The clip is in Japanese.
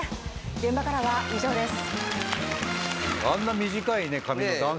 現場からは以上です。